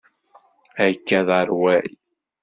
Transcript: Akka d arway!